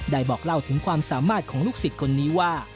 บอกเล่าถึงความสามารถของลูกศิษย์คนนี้ว่า